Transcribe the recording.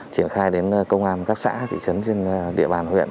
triển khai đến công an các xã thị trấn trên địa bàn huyện